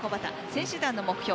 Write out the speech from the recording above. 選手団の目標